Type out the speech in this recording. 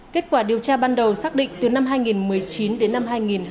kết quả điều tra ban đầu xác định từ năm hai nghìn một mươi chín đến năm hai nghìn hai mươi